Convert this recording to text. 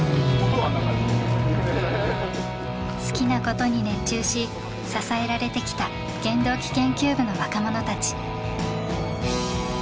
好きなことに熱中し支えられてきた原動機研究部の若者たち。